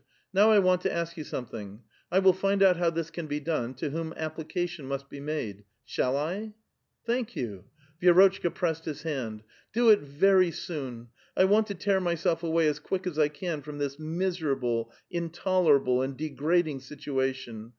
Now I want to ask you something : 1 will find out how this can be done, to whom application must be made — shall I ?"' Thank you." Vi6rotchka pressed his hand. " Do it very soon ; I Avant to tear myself away as quick as I can from this miserable, intolerable, and degrading situation.